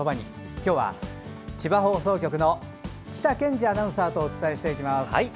今日は千葉放送局の喜多賢治アナウンサーとお伝えしていきます。